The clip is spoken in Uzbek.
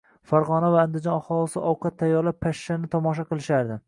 Farg'ona va Anjon aholisi ovqat tayyorlab, pashshani tomosha qilishardi